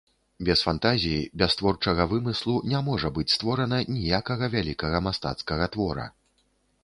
Без фантазіі, без творчага вымыслу не можа быць створана ніякага вялікага мастацкага твора.